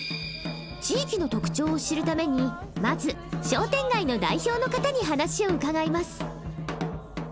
地域の特徴を知るためにまず商店街の代表の方に話をうかがいます。